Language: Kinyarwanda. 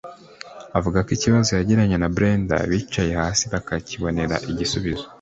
avuga ko ikibazo yagiranye na Brenda bicaye hasi bakakibonera igisubizo